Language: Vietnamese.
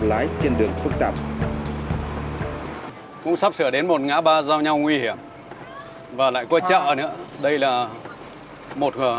lái trên đường phức tạp cũng sắp sửa đến một ngã ba giao nhau nguy hiểm và lại qua chợ nữa đây là một g